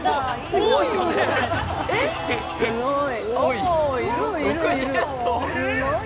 ◆すごーい。